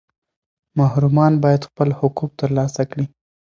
محرومان باید خپل حقوق ترلاسه کړي.